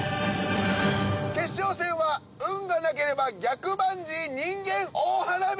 決勝戦は運がなければ逆バンジー人間大花火！